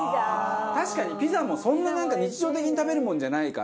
確かにピザもそんななんか日常的に食べるものじゃないから。